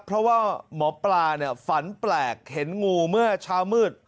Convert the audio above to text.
เพราะว่าหมอปลาฝันแปลกเห็นงูเมื่อเช้ามืด